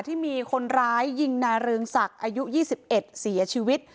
ที่มีคนร้ายยิงนายเรืองศักดิ์อายุ๒๑เสียชีวิต